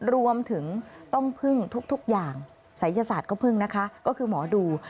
รวมถึงต้องพึ่งทุกอย่างศัยศาสตร์ก็พึ่งนะคะก็คือหมอดู